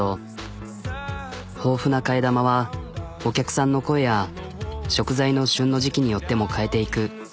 豊富な替え玉はお客さんの声や食材の旬の時期によっても変えていく。